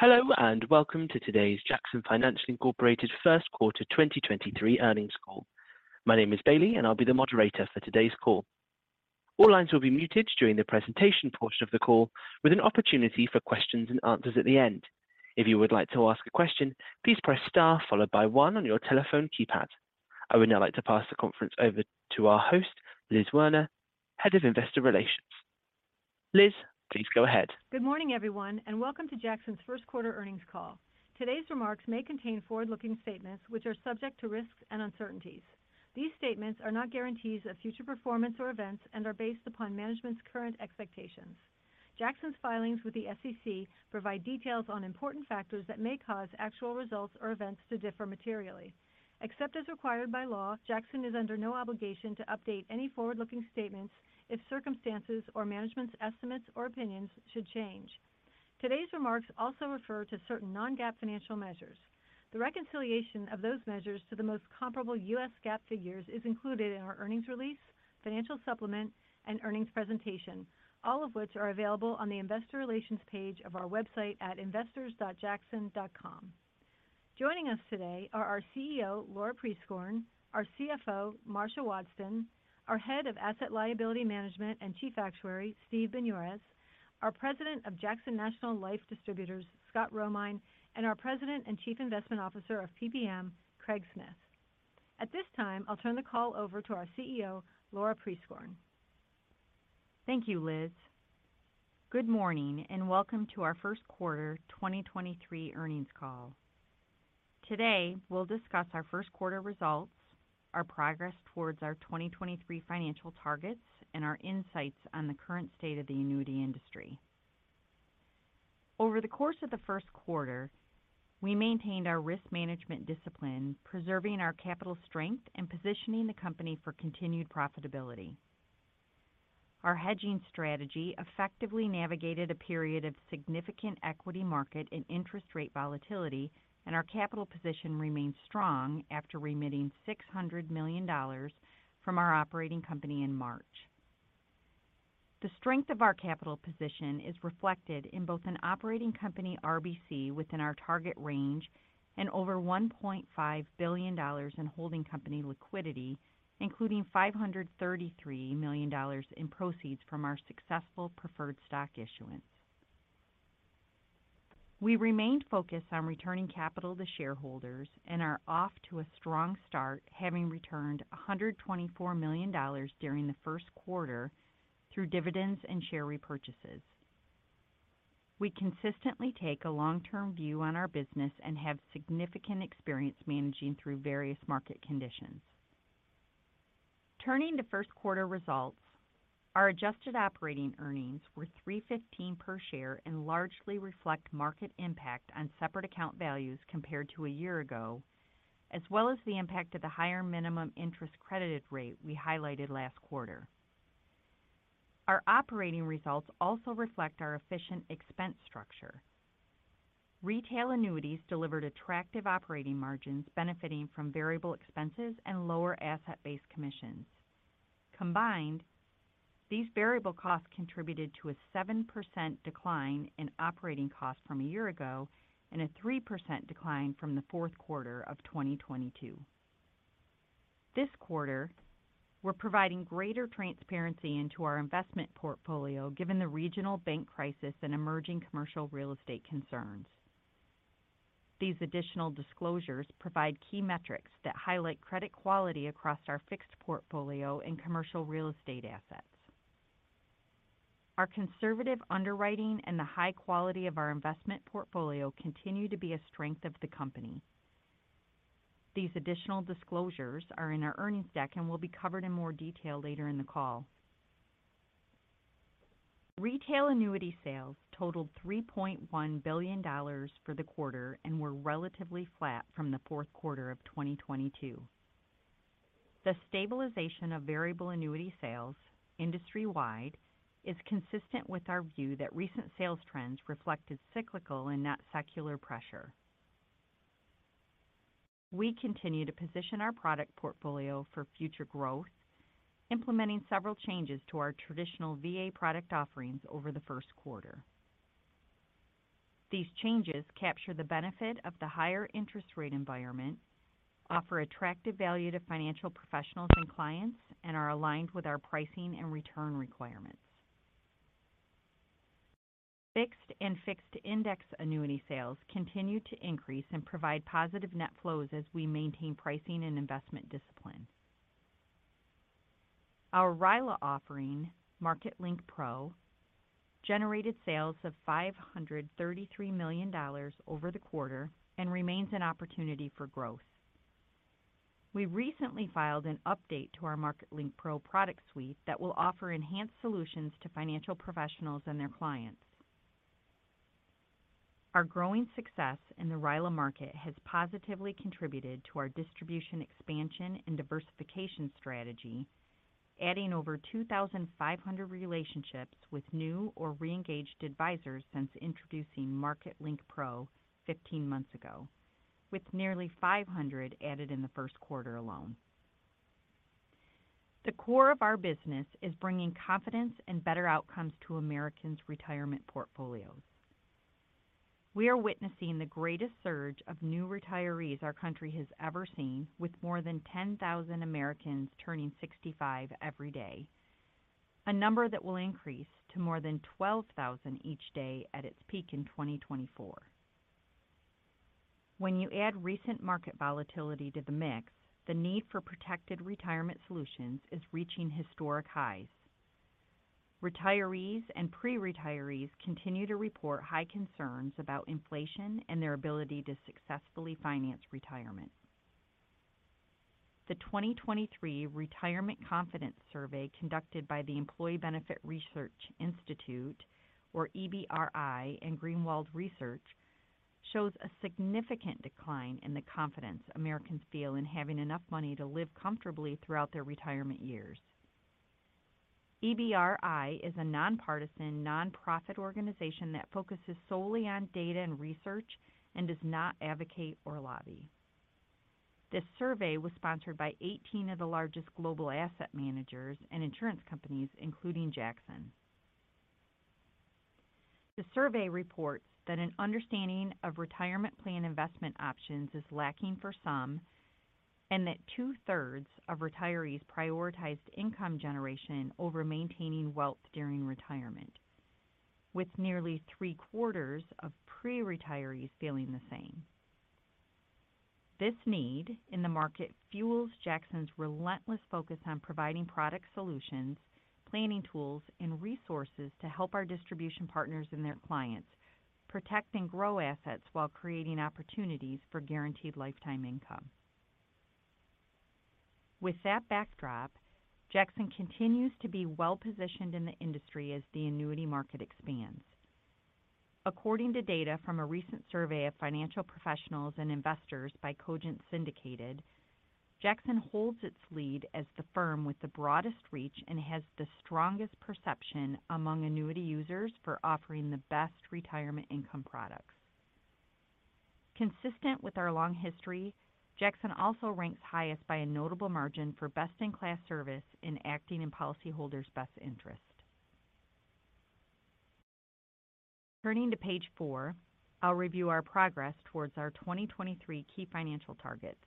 Hello, welcome to today's Jackson Financial Incorporated First Quarter 2023 Earnings Call. My name is Bailey, and I'll be the moderator for today's call. All lines will be muted during the presentation portion of the call, with an opportunity for questions and answers at the end. If you would like to ask a question, please press star followed by one on your telephone keypad. I would now like to pass the conference over to our host, Liz Werner, Head of Investor Relations. Liz, please go ahead. Good morning, everyone, and welcome to Jackson's first quarter earnings call. Today's remarks may contain forward-looking statements, which are subject to risks and uncertainties. These statements are not guarantees of future performance or events and are based upon management's current expectations. Jackson's filings with the SEC provide details on important factors that may cause actual results or events to differ materially. Except as required by law, Jackson is under no obligation to update any forward-looking statements if circumstances or management's estimates or opinions should change. Today's remarks also refer to certain non-GAAP financial measures. The reconciliation of those measures to the most comparable U.S. GAAP figures is included in our earnings release, financial supplement, and earnings presentation. All of which are available on the investor relations page of our website at investors.jackson.com. Joining us today are our CEO, Laura Prieskorn, our CFO, Marcia Wadsten, our Head of Asset Liability Management and Chief Actuary, Steve Binioris, our President of Jackson National Life Distributors LLC, Scott Romine, and our President and Chief Investment Officer of PPM, Craig Smith. At this time, I'll turn the call over to our CEO, Laura Prieskorn. Thank you, Liz. Good morning, and welcome to our first quarter 2023 earnings call. Today, we'll discuss our first quarter results, our progress towards our 2023 financial targets, and our insights on the current state of the annuity industry. Over the course of the first quarter, we maintained our risk management discipline, preserving our capital strength and positioning the company for continued profitability. Our hedging strategy effectively navigated a period of significant equity market and interest rate volatility, and our capital position remains strong after remitting $600 million from our operating company in March. The strength of our capital position is reflected in both an operating company RBC within our target range and over $1.5 billion in holding company liquidity, including $533 million in proceeds from our successful preferred stock issuance. We remained focused on returning capital to shareholders and are off to a strong start, having returned $124 million during the first quarter through dividends and share repurchases. We consistently take a long-term view on our business and have significant experience managing through various market conditions. Turning to first quarter results, our adjusted operating earnings were $3.15 per share and largely reflect market impact on separate account values compared to a year ago, as well as the impact of the higher minimum interest credited rate we highlighted last quarter. Our operating results also reflect our efficient expense structure. Retail annuities delivered attractive operating margins benefiting from variable expenses and lower asset-based commissions. Combined, these variable costs contributed to a 7% decline in operating costs from a year ago and a 3% decline from the fourth quarter of 2022. This quarter, we're providing greater transparency into our investment portfolio given the regional bank crisis and emerging commercial real estate concerns. These additional disclosures provide key metrics that highlight credit quality across our fixed portfolio and commercial real estate assets. Our conservative underwriting and the high quality of our investment portfolio continue to be a strength of the company. These additional disclosures are in our earnings deck and will be covered in more detail later in the call. Retail annuity sales totaled $3.1 billion for the quarter and were relatively flat from the fourth quarter of 2022. The stabilization of variable annuity sales industry-wide is consistent with our view that recent sales trends reflected cyclical and not secular pressure. We continue to position our product portfolio for future growth, implementing several changes to our traditional VA product offerings over the first quarter. These changes capture the benefit of the higher interest rate environment, offer attractive value to financial professionals and clients, and are aligned with our pricing and return requirements. Fixed and fixed index annuity sales continue to increase and provide positive net flows as we maintain pricing and investment discipline. Our RILA offering, Market Link Pro, generated sales of $533 million over the quarter and remains an opportunity for growth. We recently filed an update to our Market Link Pro product suite that will offer enhanced solutions to financial professionals and their clients. Our growing success in the RILA market has positively contributed to our distribution expansion and diversification strategy, adding over 2,500 relationships with new or re-engaged advisors since introducing Market Link Pro 15 months ago, with nearly 500 added in the first quarter alone. The core of our business is bringing confidence and better outcomes to Americans' retirement portfolios. We are witnessing the greatest surge of new retirees our country has ever seen, with more than 10,000 Americans turning 65 every day, a number that will increase to more than 12,000 each day at its peak in 2024. When you add recent market volatility to the mix, the need for protected retirement solutions is reaching historic highs. Retirees and pre-retirees continue to report high concerns about inflation and their ability to successfully finance retirement. The 2023 Retirement Confidence Survey conducted by the Employee Benefit Research Institute, or EBRI, and Greenwald Research shows a significant decline in the confidence Americans feel in having enough money to live comfortably throughout their retirement years. EBRI is a nonpartisan, nonprofit organization that focuses solely on data and research and does not advocate or lobby. This survey was sponsored by 18 of the largest global asset managers and insurance companies, including Jackson. The survey reports that an understanding of retirement plan investment options is lacking for some, and that two-thirds of retirees prioritized income generation over maintaining wealth during retirement, with nearly three-quarters of pre-retirees feeling the same. This need in the market fuels Jackson's relentless focus on providing product solutions, planning tools, and resources to help our distribution partners and their clients protect and grow assets while creating opportunities for guaranteed lifetime income. With that backdrop, Jackson continues to be well-positioned in the industry as the annuity market expands. According to data from a recent survey of financial professionals and investors by Cogent Syndicated, Jackson holds its lead as the firm with the broadest reach and has the strongest perception among annuity users for offering the best retirement income products. Consistent with our long history, Jackson also ranks highest by a notable margin for best-in-class service in acting in policyholders' best interest. Turning to page four, I'll review our progress towards our 2023 key financial targets.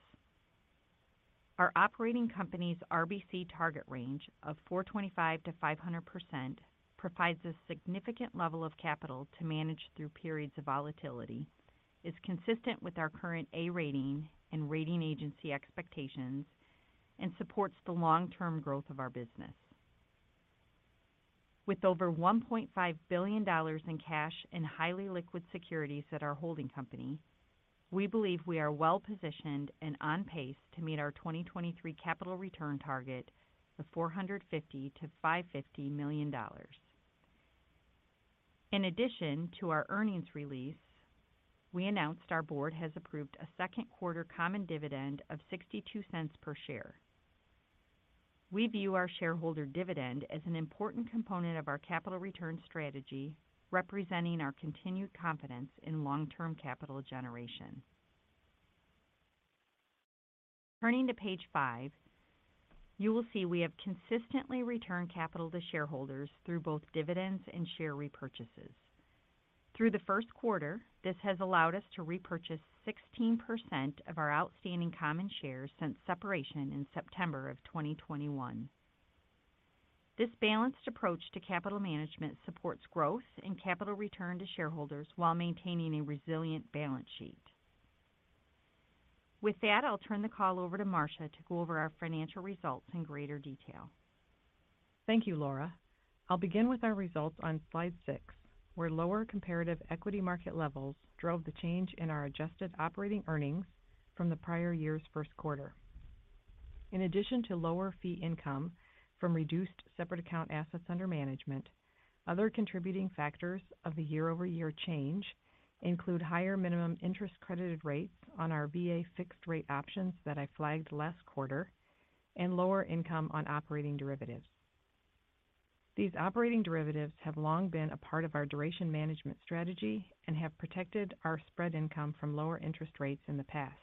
Our operating company's RBC target range of 425%-500% provides a significant level of capital to manage through periods of volatility, is consistent with our current A rating and rating agency expectations, and supports the long-term growth of our business. With over $1.5 billion in cash and highly liquid securities at our holding company, we believe we are well-positioned and on pace to meet our 2023 capital return target of $450 million-$550 million. In addition to our earnings release, we announced our board has approved a second quarter common dividend of $0.62 per share. We view our shareholder dividend as an important component of our capital return strategy, representing our continued confidence in long-term capital generation. Turning to page five, you will see we have consistently returned capital to shareholders through both dividends and share repurchases. Through the first quarter, this has allowed us to repurchase 16% of our outstanding common shares since separation in September of 2021. This balanced approach to capital management supports growth and capital return to shareholders while maintaining a resilient balance sheet. With that, I'll turn the call over to Marcia to go over our financial results in greater detail. Thank you, Laura. I'll begin with our results on slide 6, where lower comparative equity market levels drove the change in our adjusted operating earnings from the prior year's first quarter. In addition to lower fee income from reduced separate account assets under management, other contributing factors of the year-over-year change include higher minimum interest credited rates on our VA fixed rate options that I flagged last quarter and lower income on operating derivatives. These operating derivatives have long been a part of our duration management strategy and have protected our spread income from lower interest rates in the past.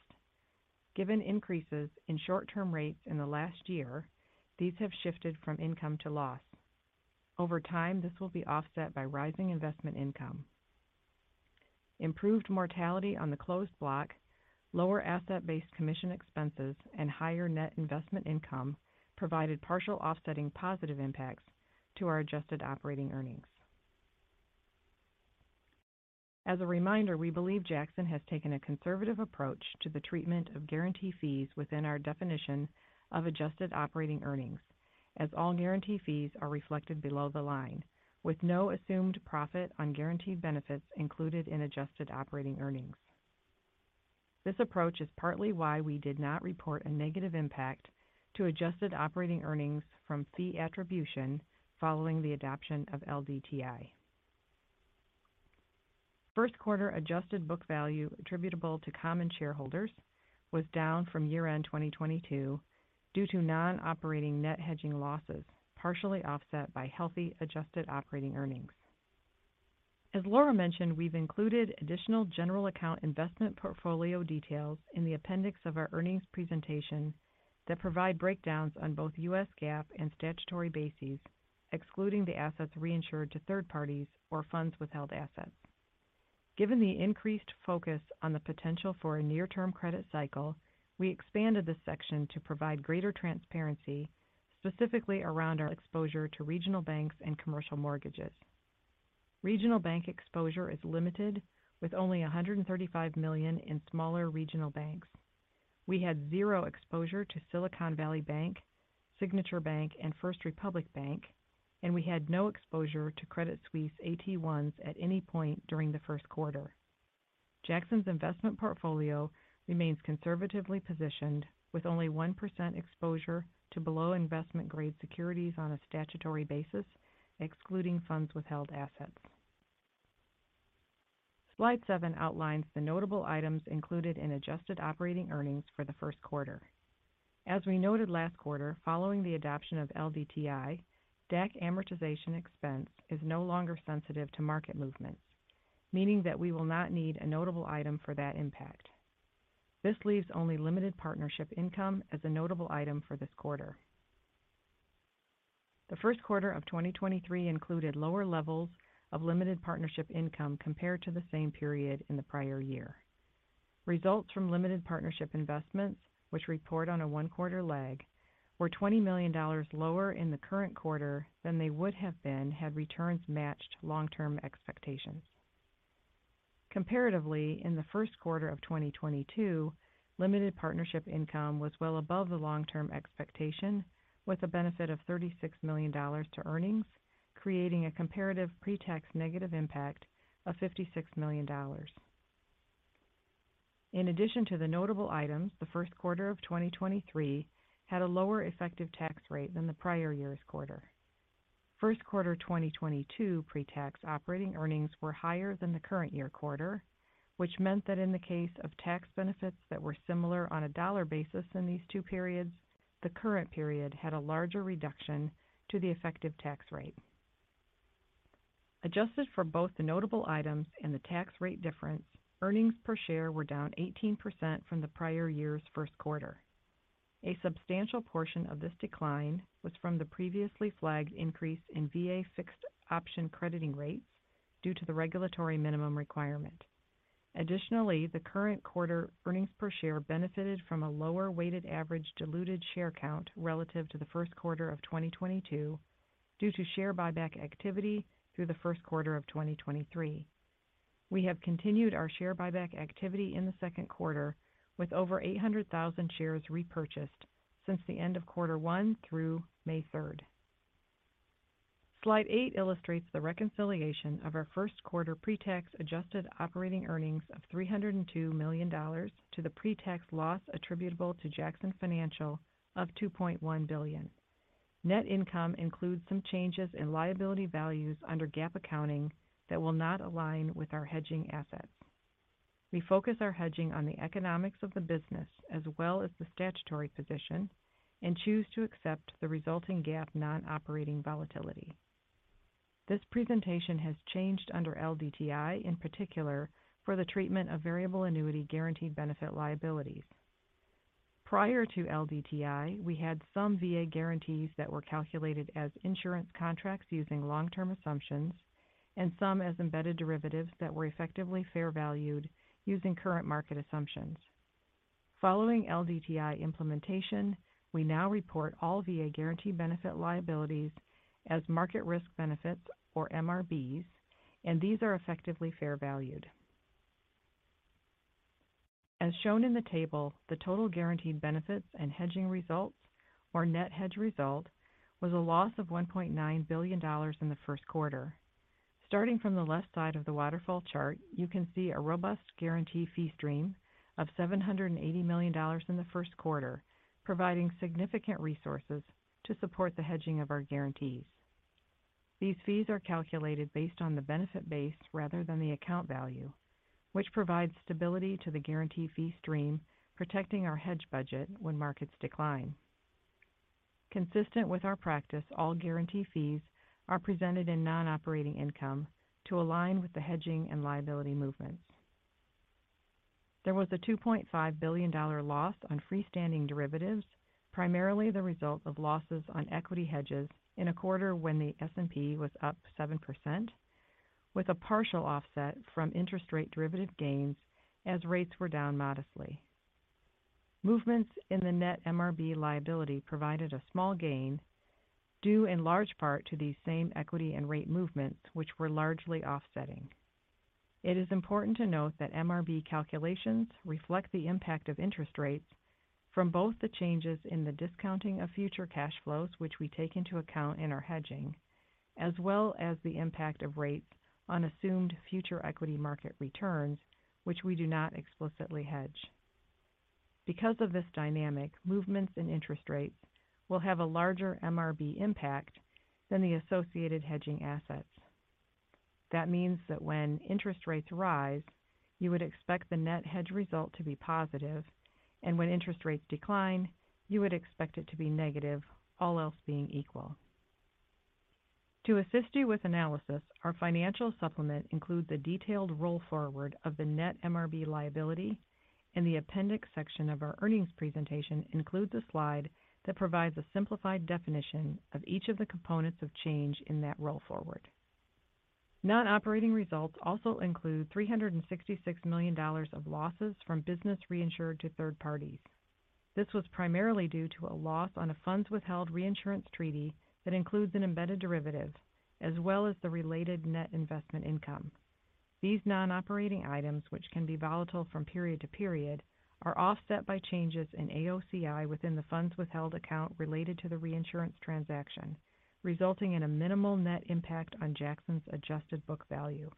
Given increases in short-term rates in the last year, these have shifted from income to loss. Over time, this will be offset by rising investment income. Improved mortality on the closed block, lower asset-based commission expenses, and higher net investment income provided partial offsetting positive impacts to our adjusted operating earnings. As a reminder, we believe Jackson has taken a conservative approach to the treatment of guarantee fees within our definition of adjusted operating earnings, as all guarantee fees are reflected below the line, with no assumed profit on guaranteed benefits included in adjusted operating earnings. This approach is partly why we did not report a negative impact to adjusted operating earnings from fee attribution following the adoption of LDTI. First quarter adjusted book value attributable to common shareholders was down from year-end 2022 due to non-operating net hedging losses, partially offset by healthy adjusted operating earnings. As Laura mentioned, we've included additional general account investment portfolio details in the appendix of our earnings presentation that provide breakdowns on both U.S. GAAP and statutory bases, excluding the assets reinsured to third parties or funds withheld assets. Given the increased focus on the potential for a near-term credit cycle, we expanded this section to provide greater transparency, specifically around our exposure to regional banks and commercial mortgages. Regional bank exposure is limited with only $135 million in smaller regional banks. We had zero exposure to Silicon Valley Bank, Signature Bank, and First Republic Bank, and we had no exposure to Credit Suisse AT1s at any point during the first quarter. Jackson's investment portfolio remains conservatively positioned with only 1% exposure to below investment-grade securities on a statutory basis, excluding funds withheld assets. Slide seven outlines the notable items included in adjusted operating earnings for the first quarter. As we noted last quarter, following the adoption of LDTI, DAC amortization expense is no longer sensitive to market movements, meaning that we will not need a notable item for that impact. This leaves only limited partnership income as a notable item for this quarter. The first quarter of 2023 included lower levels of limited partnership income compared to the same period in the prior year. Results from limited partnership investments, which report on a one quarter lag, were $20 million lower in the current quarter than they would have been had returns matched long-term expectations. Comparatively, in the first quarter of 2022, limited partnership income was well above the long-term expectation with a benefit of $36 million to earnings, creating a comparative pre-tax negative impact of $56 million. In addition to the notable items, the first quarter of 2023 had a lower effective tax rate than the prior year's quarter. First quarter 2022 pre-tax operating earnings were higher than the current year quarter, which meant that in the case of tax benefits that were similar on a dollar basis in these two periods, the current period had a larger reduction to the effective tax rate. Adjusted for both the notable items and the tax rate difference, earnings per share were down 18% from the prior year's first quarter. A substantial portion of this decline was from the previously flagged increase in VA fixed option crediting rates due to the regulatory minimum requirement. Additionally, the current quarter earnings per share benefited from a lower weighted average diluted share count relative to the first quarter of 2022 due to share buyback activity through the first quarter of 2023. We have continued our share buyback activity in the second quarter with over 800,000 shares repurchased since the end of quarter one through May 3rd. Slide eight illustrates the reconciliation of our first quarter pre-tax adjusted operating earnings of $302 million to the pre-tax loss attributable to Jackson Financial of $2.1 billion. Net income includes some changes in liability values under GAAP accounting that will not align with our hedging assets. We focus our hedging on the economics of the business as well as the statutory position and choose to accept the resulting GAAP non-operating volatility. This presentation has changed under LDTI, in particular for the treatment of variable annuity guaranteed benefit liabilities. Prior to LDTI, we had some VA guarantees that were calculated as insurance contracts using long-term assumptions and some as embedded derivatives that were effectively fair valued using current market assumptions. Following LDTI implementation, we now report all VA guaranteed benefit liabilities as Market Risk Benefits or MRBs, and these are effectively fair valued. As shown in the table, the total guaranteed benefits and hedging results or net hedge result was a loss of $1.9 billion in the first quarter. Starting from the left side of the waterfall chart, you can see a robust guarantee fee stream of $780 million in the first quarter, providing significant resources to support the hedging of our guarantees. These fees are calculated based on the benefit base rather than the account value, which provides stability to the guarantee fee stream, protecting our hedge budget when markets decline. Consistent with our practice, all guarantee fees are presented in non-operating income to align with the hedging and liability movements. There was a $2.5 billion loss on freestanding derivatives, primarily the result of losses on equity hedges in a quarter when the S&P was up 7%, with a partial offset from interest rate derivative gains as rates were down modestly. Movements in the net MRB liability provided a small gain due in large part to these same equity and rate movements, which were largely offsetting. It is important to note that MRB calculations reflect the impact of interest rates from both the changes in the discounting of future cash flows, which we take into account in our hedging, as well as the impact of rates on assumed future equity market returns, which we do not explicitly hedge. Because of this dynamic, movements in interest rates will have a larger MRB impact than the associated hedging assets. That means that when interest rates rise, you would expect the net hedge result to be positive. When interest rates decline, you would expect it to be negative, all else being equal. To assist you with analysis, our financial supplement includes a detailed roll forward of the net MRB liability, and the appendix section of our earnings presentation includes a slide that provides a simplified definition of each of the components of change in that roll forward. Non-operating results also include $366 million of losses from business reinsured to third parties. This was primarily due to a loss on a funds withheld reinsurance treaty that includes an embedded derivative, as well as the related net investment income. These non-operating items, which can be volatile from period to period, are offset by changes in AOCI within the funds withheld account related to the reinsurance transaction, resulting in a minimal net impact on Jackson's adjusted book value.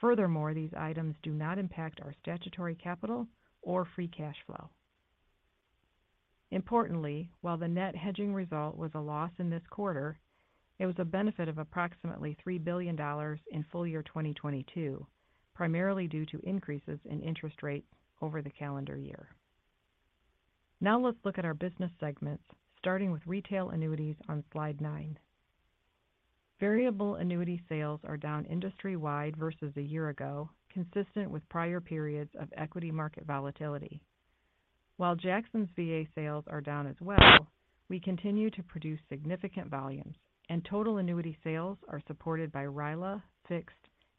Furthermore, these items do not impact our statutory capital or free cash flow. Importantly, while the net hedging result was a loss in this quarter, it was a benefit of approximately $3 billion in full-year 2022, primarily due to increases in interest rates over the calendar year. Let's look at our business segments, starting with retail annuities on slide 9. Variable annuity sales are down industry-wide versus a year ago, consistent with prior periods of equity market volatility. While Jackson's VA sales are down as well, we continue to produce significant volumes, and total annuity sales are supported by RILA, fixed,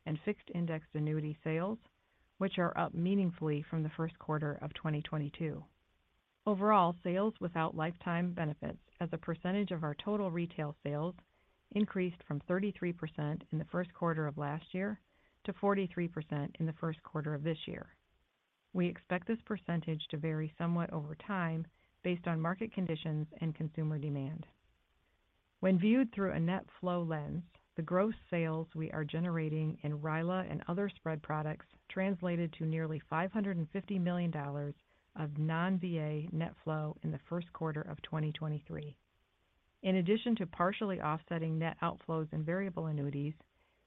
and fixed-indexed annuity sales, which are up meaningfully from the first quarter of 2022. Sales without lifetime benefits as a percentage of our total retail sales increased from 33% in the first quarter of last year to 43% in the first quarter of this year. We expect this percentage to vary somewhat over time based on market conditions and consumer demand. When viewed through a net flow lens, the gross sales we are generating in RILA and other spread products translated to nearly $550 million of non-VA net flow in the first quarter of 2023. In addition to partially offsetting net outflows and variable annuities,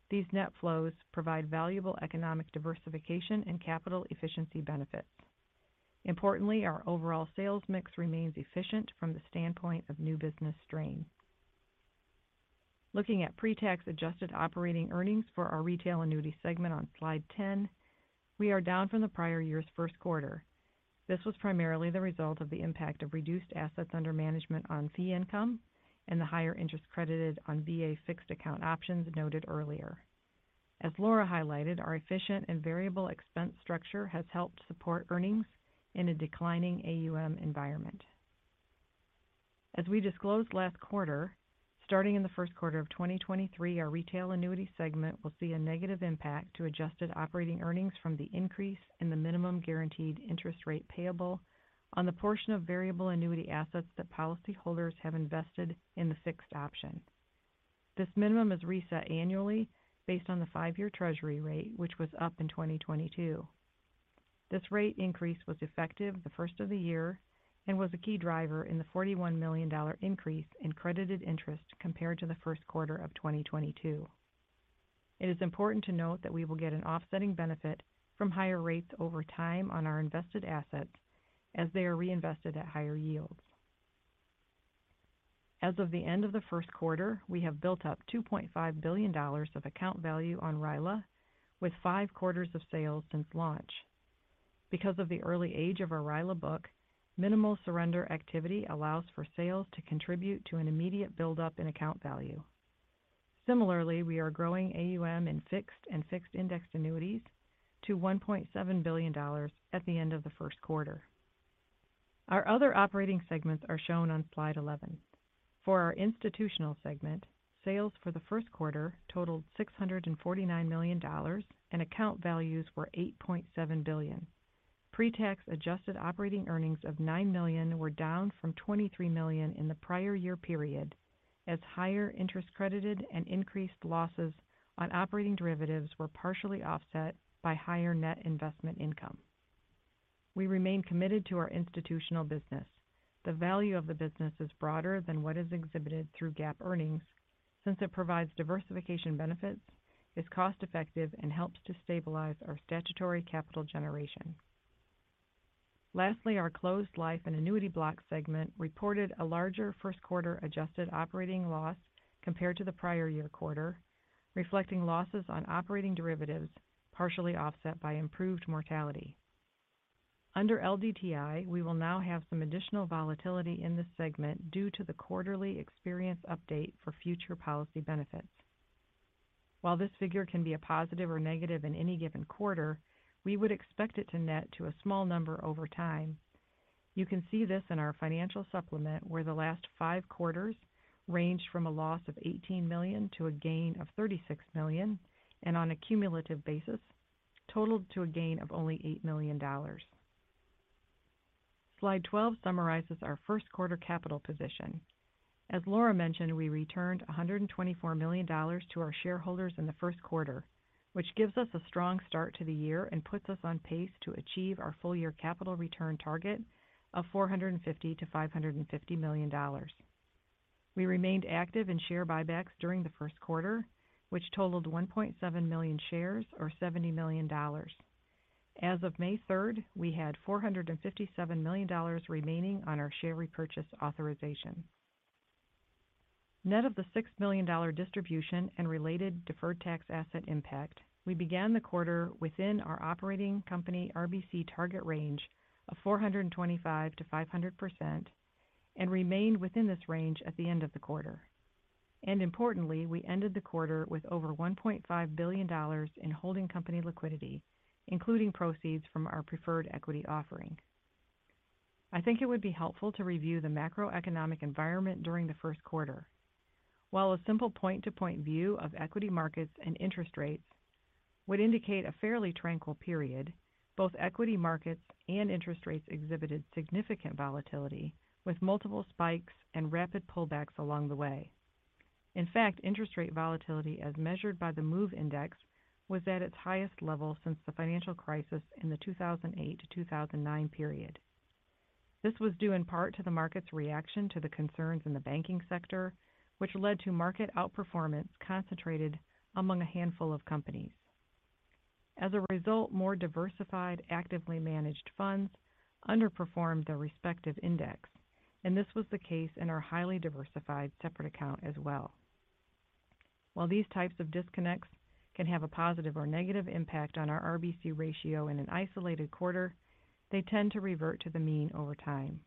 these net flows provide valuable economic diversification and capital efficiency benefits. Importantly, our overall sales mix remains efficient from the standpoint of new business strain. Looking at pre-tax adjusted operating earnings for our retail annuity segment on slide 10, we are down from the prior year's first quarter. This was primarily the result of the impact of reduced AUM on fee income and the higher interest credited on VA fixed account options noted earlier. As Laura highlighted, our efficient and variable expense structure has helped support earnings in a declining AUM environment. As we disclosed last quarter, starting in the first quarter of 2023, our retail annuity segment will see a negative impact to adjusted operating earnings from the increase in the minimum guaranteed interest rate payable on the portion of variable annuity assets that policyholders have invested in the fixed option. This minimum is reset annually based on the five-year treasury rate, which was up in 2022. This rate increase was effective the first of the year and was a key driver in the $41 million increase in credited interest compared to the first quarter of 2022. It is important to note that we will get an offsetting benefit from higher rates over time on our invested assets as they are reinvested at higher yields. As of the end of the first quarter, we have built up $2.5 billion of account value on RILA with five quarters of sales since launch. Because of the early age of our RILA book, minimal surrender activity allows for sales to contribute to an immediate buildup in account value. Similarly, we are growing AUM in fixed and fixed indexed annuities to $1.7 billion at the end of the first quarter. Our other operating segments are shown on slide 11. For our institutional segment, sales for the first quarter totaled $649 million, and account values were $8.7 billion. Pre-tax adjusted operating earnings of $9 million were down from $23 million in the prior year period as higher interest credited and increased losses on operating derivatives were partially offset by higher net investment income. We remain committed to our institutional business. The value of the business is broader than what is exhibited through GAAP earnings since it provides diversification benefits, is cost-effective, and helps to stabilize our statutory capital generation. Lastly, our closed life and annuity block segment reported a larger first quarter adjusted operating loss compared to the prior year quarter, reflecting losses on operating derivatives partially offset by improved mortality. Under LDTI, we will now have some additional volatility in this segment due to the quarterly experience update for future policy benefits. While this figure can be a positive or negative in any given quarter, we would expect it to net to a small number over time. You can see this in our financial supplement, where the last five quarters ranged from a loss of $18 million to a gain of $36 million, and on a cumulative basis, totaled to a gain of only $8 million. Slide 12 summarizes our first quarter capital position. As Laura mentioned, we returned $124 million to our shareholders in the first quarter, which gives us a strong start to the year and puts us on pace to achieve our full-year capital return target of $450 million-$550 million. We remained active in share buybacks during the first quarter which totaled 1.7 million shares or $70 million. As of May third, we had $457 million remaining on our share repurchase authorization. Net of the $6 million distribution and related deferred tax asset impact, we began the quarter within our operating company RBC target range of 425%-500% and remained within this range at the end of the quarter. Importantly, we ended the quarter with over $1.5 billion in holding company liquidity, including proceeds from our preferred equity offering. I think it would be helpful to review the macroeconomic environment during the first quarter. While a simple point-to-point view of equity markets and interest rates would indicate a fairly tranquil period, both equity markets and interest rates exhibited significant volatility with multiple spikes and rapid pullbacks along the way. In fact, interest rate volatility as measured by the MOVE index was at its highest level since the financial crisis in the 2008-2009 period. This was due in part to the market's reaction to the concerns in the banking sector, which led to market outperformance concentrated among a handful of companies. As a result, more diversified, actively managed funds underperformed their respective index. This was the case in our highly diversified separate account as well. While these types of disconnects can have a positive or negative impact on our RBC ratio in an isolated quarter, they tend to revert to the mean over time.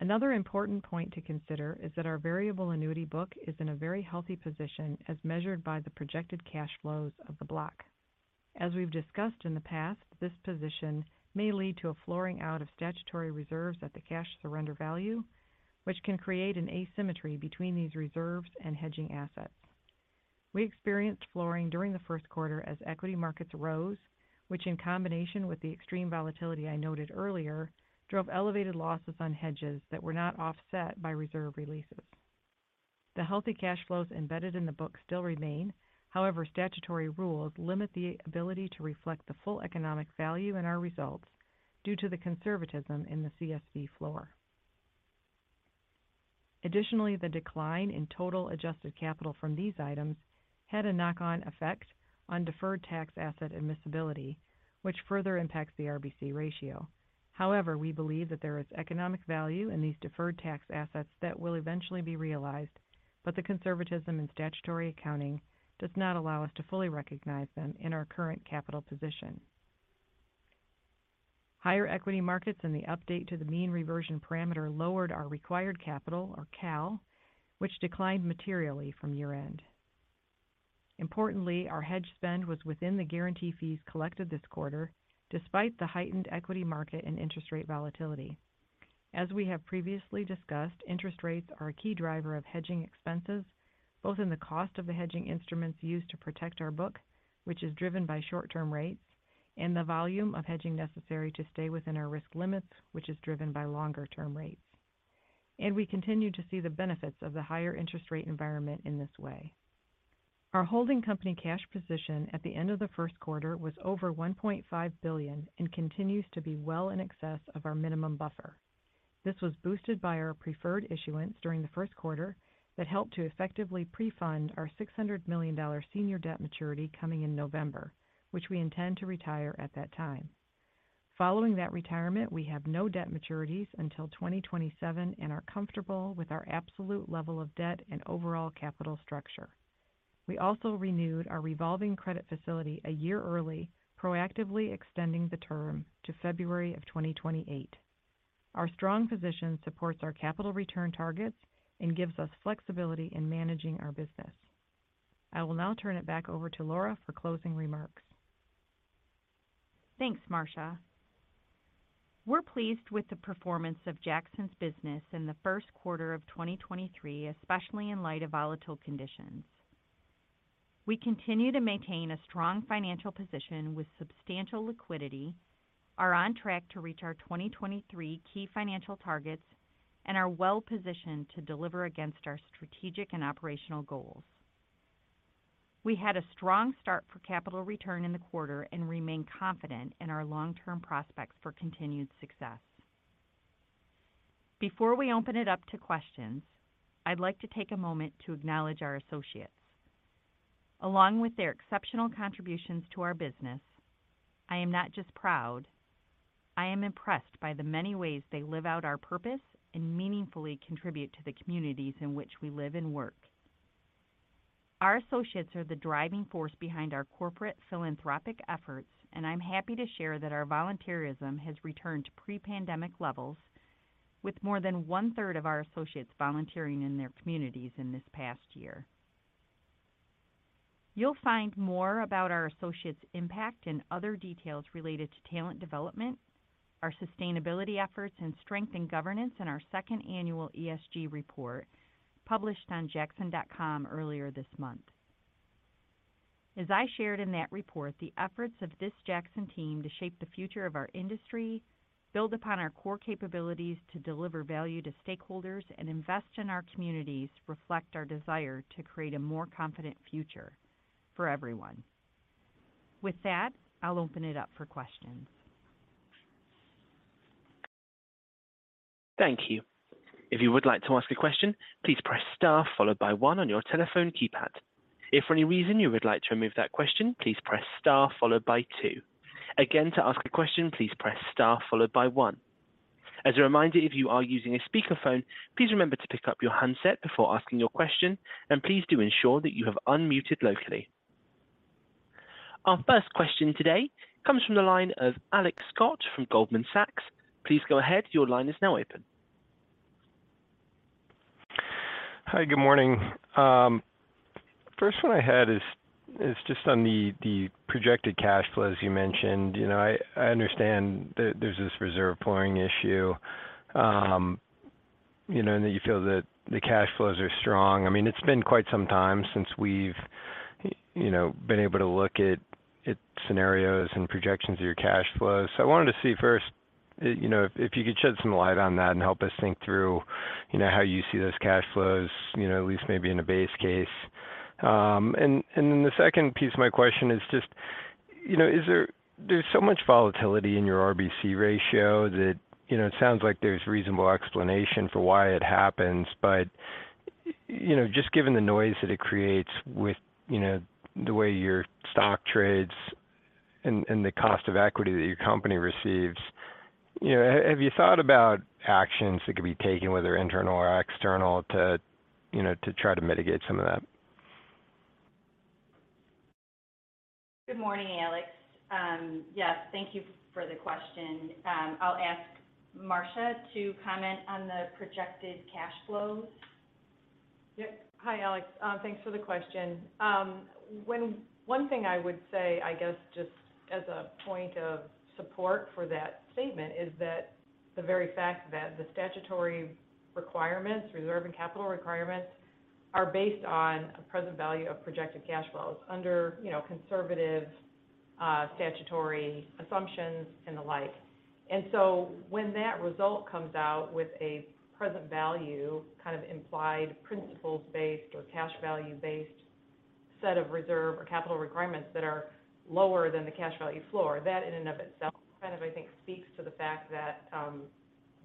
Another important point to consider is that our variable annuity book is in a very healthy position as measured by the projected cash flows of the block. As we've discussed in the past, this position may lead to a flooring out of statutory reserves at the cash surrender value, which can create an asymmetry between these reserves and hedging assets. We experienced flooring during the first quarter as equity markets rose, which in combination with the extreme volatility I noted earlier, drove elevated losses on hedges that were not offset by reserve releases. The healthy cash flows embedded in the book still remain. Statutory rules limit the ability to reflect the full economic value in our results due to the conservatism in the CSV floor. The decline in total adjusted capital from these items had a knock-on effect on deferred tax asset admissibility, which further impacts the RBC ratio. We believe that there is economic value in these deferred tax assets that will eventually be realized, but the conservatism in statutory accounting does not allow us to fully recognize them in our current capital position. Higher equity markets and the update to the mean reversion parameter lowered our required capital, or CAL, which declined materially from year-end. Importantly, our hedge spend was within the guarantee fees collected this quarter despite the heightened equity market and interest rate volatility. As we have previously discussed, interest rates are a key driver of hedging expenses, both in the cost of the hedging instruments used to protect our book, which is driven by short-term rates, and the volume of hedging necessary to stay within our risk limits, which is driven by longer-term rates. We continue to see the benefits of the higher interest rate environment in this way. Our holding company cash position at the end of the first quarter was over $1.5 billion and continues to be well in excess of our minimum buffer. This was boosted by our preferred issuance during the first quarter that helped to effectively pre-fund our $600 million senior debt maturity coming in November, which we intend to retire at that time. Following that retirement, we have no debt maturities until 2027 and are comfortable with our absolute level of debt and overall capital structure. We also renewed our revolving credit facility a year early, proactively extending the term to February 2028. Our strong position supports our capital return targets and gives us flexibility in managing our business. I will now turn it back over to Laura for closing remarks. Thanks, Marcia. We're pleased with the performance of Jackson's business in the first quarter of 2023, especially in light of volatile conditions. We continue to maintain a strong financial position with substantial liquidity, are on track to reach our 2023 key financial targets, and are well-positioned to deliver against our strategic and operational goals. We had a strong start for capital return in the quarter and remain confident in our long-term prospects for continued success. Before we open it up to questions, I'd like to take a moment to acknowledge our associates. Along with their exceptional contributions to our business, I am not just proud, I am impressed by the many ways they live out our purpose and meaningfully contribute to the communities in which we live and work. Our associates are the driving force behind our corporate philanthropic efforts, and I'm happy to share that our volunteerism has returned to pre-pandemic levels with more than one-third of our associates volunteering in their communities in this past year. You'll find more about our associates' impact and other details related to talent development, our sustainability efforts, and strength in governance in our second annual ESG report published on jackson.com earlier this month. As I shared in that report, the efforts of this Jackson team to shape the future of our industry, build upon our core capabilities to deliver value to stakeholders, and invest in our communities reflect our desire to create a more confident future for everyone. With that, I'll open it up for questions. Thank you. If you would like to ask a question, please press star followed by one on your telephone keypad. If for any reason you would like to remove that question, please press star followed by two. Again, to ask a question, please press star followed by one. As a reminder, if you are using a speakerphone, please remember to pick up your handset before asking your question, and please do ensure that you have unmuted locally. Our first question today comes from the line of Alex Scott from Goldman Sachs. Please go ahead. Your line is now open. Hi, good morning. First one I had is just on the projected cash flows you mentioned. You know, I understand that there's this reserve pooling issue, you know, and that you feel that the cash flows are strong. I mean, it's been quite some time since we've, you know, been able to look at scenarios and projections of your cash flows. I wanted to see first, you know, if you could shed some light on that and help us think through, you know, how you see those cash flows, you know, at least maybe in a base case. Then the second piece of my question is just, you know, there's so much volatility in your RBC ratio that, you know, it sounds like there's reasonable explanation for why it happens. You know, just given the noise that it creates with, you know, the way your stock trades and the cost of equity that your company receives, you know, have you thought about actions that could be taken, whether internal or external, to, you know, to try to mitigate some of that? Good morning, Alex. Yes, thank you for the question. I'll ask Marcia to comment on the projected cash flows. Yep. Hi, Alex. Thanks for the question. One thing I would say, I guess, just as a point of support for that statement is that the very fact that the statutory requirements, reserve and capital requirements, are based on a present value of projected cash flows under, you know, conservative, statutory assumptions and the like. When that result comes out with a present value kind of implied principles-based or cash value-based set of reserve or capital requirements that are lower than the cash value floor, that in and of itself kind of, I think, speaks to the fact that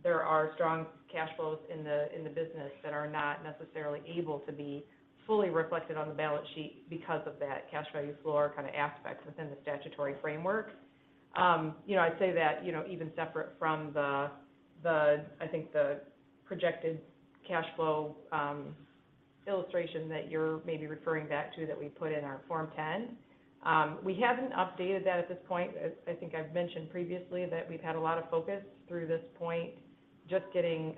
there are strong cash flows in the, in the business that are not necessarily able to be fully reflected on the balance sheet because of that cash value floor kind of aspect within the statutory framework. You know, I'd say that, you know, even separate from the, I think the projected cash flow illustration that you're maybe referring back to that we put in our Form 10. We haven't updated that at this point. I think I've mentioned previously that we've had a lot of focus through this point just getting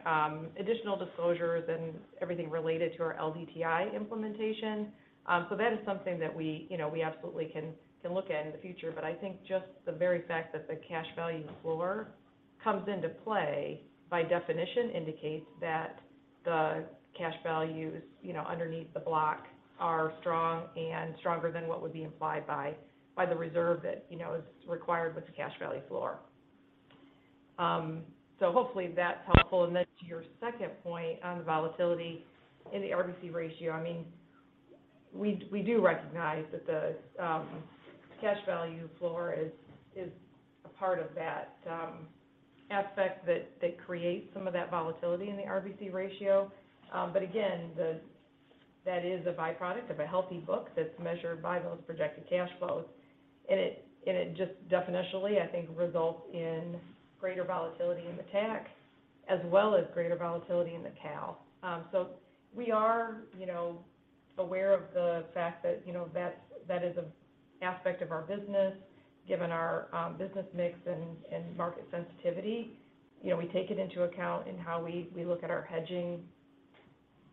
additional disclosures and everything related to our LDTI implementation. That is something that we, you know, we absolutely can look at in the future. I think just the very fact that the cash value floor comes into play by definition indicates that the cash values, you know, underneath the block are strong and stronger than what would be implied by the reserve that, you know, is required with the cash value floor. Hopefully that's helpful. Then to your second point on the volatility in the RBC ratio, I mean, we do recognize that the cash value floor is a part of that aspect that creates some of that volatility in the RBC ratio. Again, that is a byproduct of a healthy book that's measured by those projected cash flows. It just definitionally, I think, results in greater volatility in the TAC as well as greater volatility in the CAL. We are, you know, aware of the fact that, you know, that's, that is an aspect of our business, given our business mix and market sensitivity. You know, we take it into account in how we look at our hedging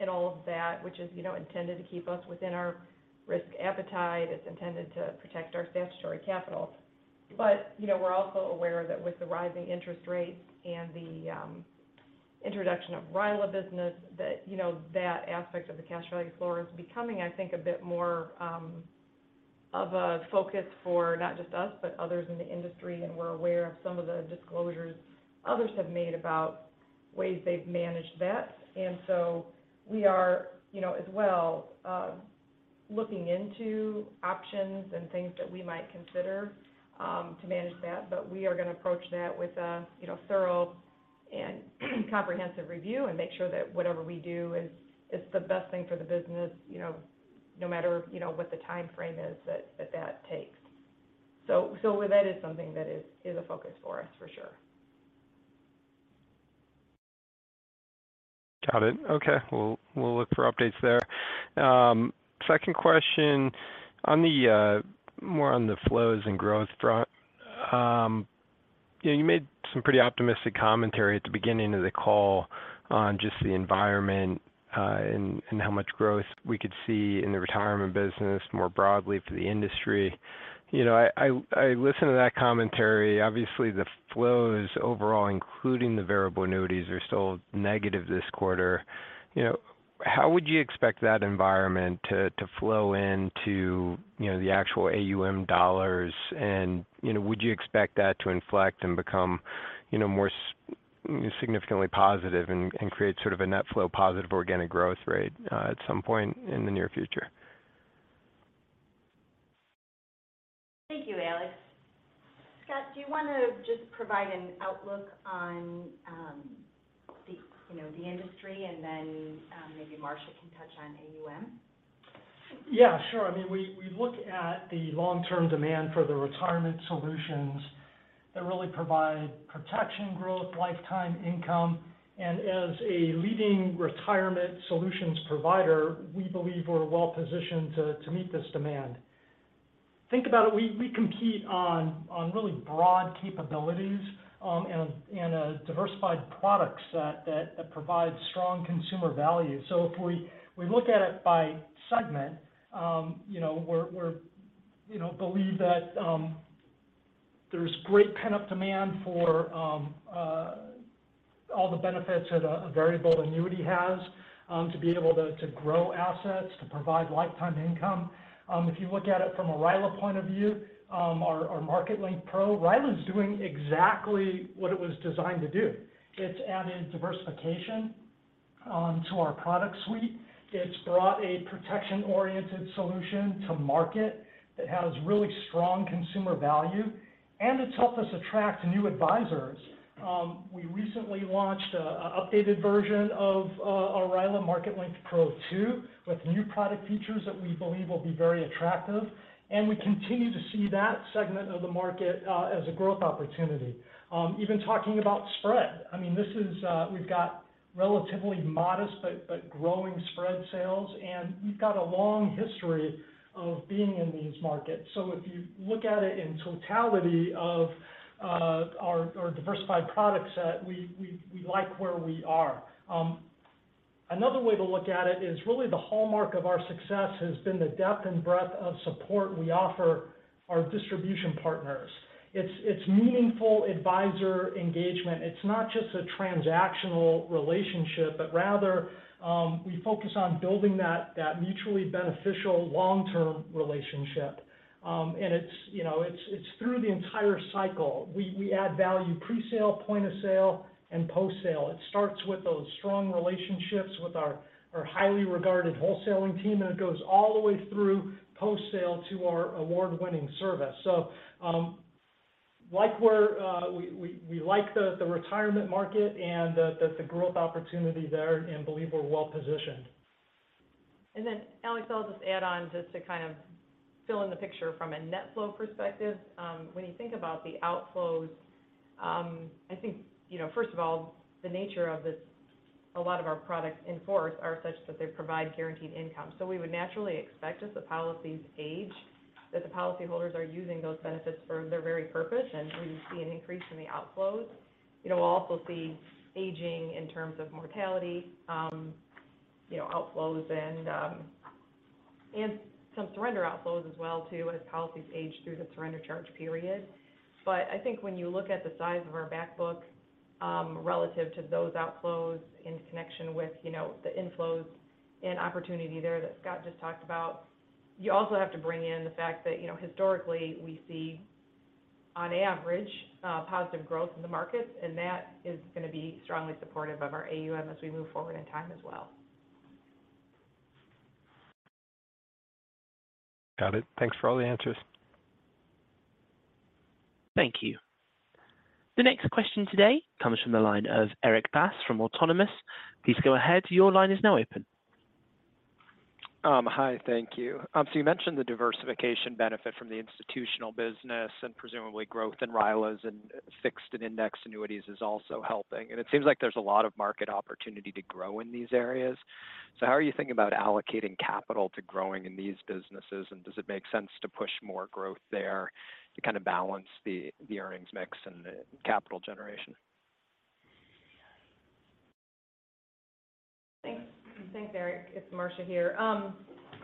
and all of that, which is, you know, intended to keep us within our risk appetite. It's intended to protect our statutory capital. You know, we're also aware that with the rising interest rates and the introduction of RILA business, that, you know, that aspect of the cash value floor is becoming, I think, a bit more of a focus for not just us, but others in the industry. We're aware of some of the disclosures others have made about ways they've managed that. We are, you know, as well, looking into options and things that we might consider to manage that. We are gonna approach that with a, you know, thorough and comprehensive review and make sure that whatever we do is the best thing for the business, you know, no matter, you know, what the time frame is that that takes. That is something that is a focus for us for sure. Got it. Okay. We'll look for updates there. Second question on the more on the flows and growth front. You know, you made some pretty optimistic commentary at the beginning of the call on just the environment and how much growth we could see in the retirement business more broadly for the industry. You know, I listened to that commentary. Obviously, the flows overall, including the variable annuities, are still negative this quarter. You know, how would you expect that environment to flow into, you know, the actual AUM dollars? You know, would you expect that to inflect and become, you know, more significantly positive and create sort of a net flow positive organic growth rate at some point in the near future? Thank you, Alex. Scott, do you want to just provide an outlook on, the, you know, the industry and then, maybe Marcia can touch on AUM? Yeah, sure. I mean, we look at the long-term demand for the retirement solutions that really provide protection, growth, lifetime income. As a leading retirement solutions provider, we believe we're well-positioned to meet this demand. Think about it, we compete on really broad capabilities, and diversified product set that provides strong consumer value. If we look at it by segment, you know, we're, you know, believe that there's great pent-up demand for all the benefits that a variable annuity has to be able to grow assets, to provide lifetime income. If you look at it from a RILA point of view, our Market Link Pro RILA is doing exactly what it was designed to do. It's added diversification to our product suite. It's brought a protection-oriented solution to market that has really strong consumer value, and it's helped us attract new advisors. We recently launched a updated version of our RILA Market Link Pro II with new product features that we believe will be very attractive, and we continue to see that segment of the market as a growth opportunity. Even talking about spread, I mean, this is, we've got relatively modest but growing spread sales, and we've got a long history of being in these markets. If you look at it in totality of our diversified product set, we like where we are. Another way to look at it is really the hallmark of our success has been the depth and breadth of support we offer our distribution partners. It's meaningful advisor engagement. It's not just a transactional relationship, but rather, we focus on building that mutually beneficial long-term relationship. And it's, you know, it's through the entire cycle. We add value presale, point of sale, and post-sale. It starts with those strong relationships with our highly regarded wholesaling team, and it goes all the way through post-sale to our award-winning service. Like where we like the retirement market and the growth opportunity there and believe we're well-positioned. Alex, I'll just add on just to kind of fill in the picture from a net flow perspective. When you think about the outflows, I think, you know, first of all, the nature of this, a lot of our products in force are such that they provide guaranteed income. We would naturally expect as the policies age that the policy holders are using those benefits for their very purpose, and we see an increase in the outflows. You know, we'll also see aging in terms of mortality, you know, outflows and some surrender outflows as well too as policies age through the surrender charge period. I think when you look at the size of our back book, relative to those outflows in connection with, you know, the inflows and opportunity there that Scott just talked about, you also have to bring in the fact that, you know, historically we see on average, positive growth in the markets, and that is going to be strongly supportive of our AUM as we move forward in time as well. Got it. Thanks for all the answers. Thank you. The next question today comes from the line of Erik Bass from Autonomous. Please go ahead. Your line is now open. Hi. Thank you. You mentioned the diversification benefit from the institutional business and presumably growth in RILAs and fixed and indexed annuities is also helping. It seems like there's a lot of market opportunity to grow in these areas. How are you thinking about allocating capital to growing in these businesses, and does it make sense to push more growth there to kind of balance the earnings mix and the capital generation? Thanks. Thanks, Erik. It's Marcia here.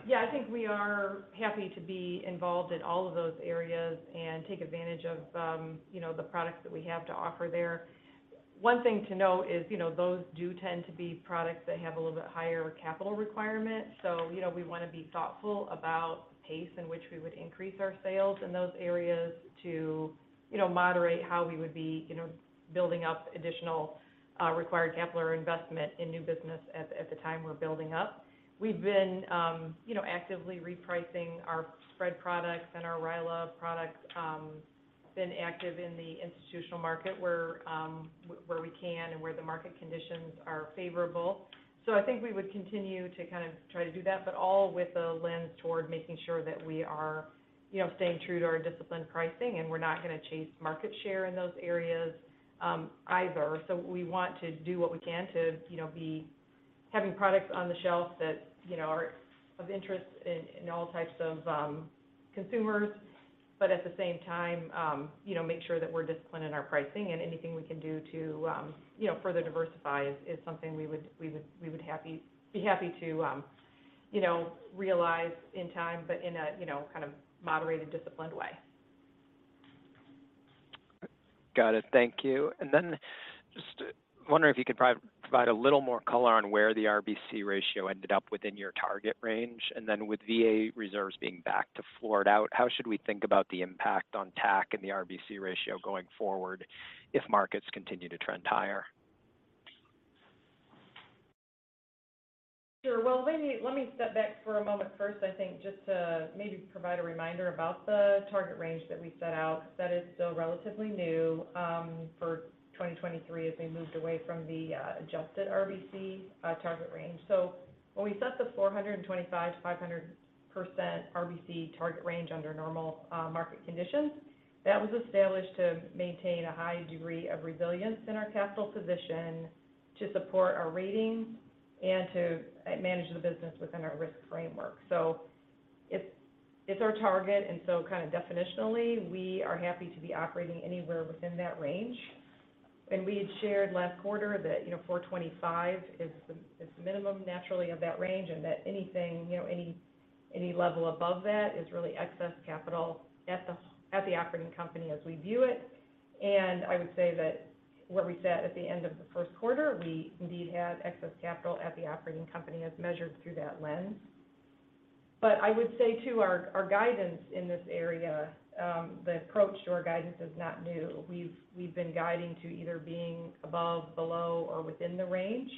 Yeah, I think we are happy to be involved in all of those areas and take advantage of, you know, the products that we have to offer there. One thing to note is, you know, those do tend to be products that have a little bit higher capital requirement. You know, we want to be thoughtful about the pace in which we would increase our sales in those areas to, you know, moderate how we would be, you know, building up additional required capital or investment in new business at the time we're building up. We've been, you know, actively repricing our spread products and our RILA products, been active in the institutional market where we can and where the market conditions are favorable. I think we would continue to kind of try to do that, but all with a lens toward making sure that we are, you know, staying true to our disciplined pricing, and we're not going to chase market share in those areas, either. We want to do what we can to, you know, be having products on the shelf that, you know, are of interest in all types of, consumers. At the same time, you know, make sure that we're disciplined in our pricing and anything we can do to, you know, further diversify is something we would be happy to, you know, realize in time but in a, you know, kind of moderated, disciplined way. Got it. Thank you. Just wondering if you could provide a little more color on where the RBC ratio ended up within your target range? With VA reserves being backed to floored out, how should we think about the impact on TAC and the RBC ratio going forward if markets continue to trend higher? Sure. Well, let me step back for a moment first, I think, just to maybe provide a reminder about the target range that we set out that is still relatively new, for 2023 as we moved away from the adjusted RBC target range. When we set the 425%-500% RBC target range under normal market conditions, that was established to maintain a high degree of resilience in our capital position to support our ratings and to manage the business within our risk framework. It's our target, kind of definitionally, we are happy to be operating anywhere within that range. We had shared last quarter that, you know, 425 is the minimum naturally of that range and that anything, you know, any level above that is really excess capital at the operating company as we view it. I would say that what we said at the end of the first quarter, we indeed had excess capital at the operating company as measured through that lens. I would say too, our guidance in this area, the approach to our guidance is not new. We've been guiding to either being above, below or within the range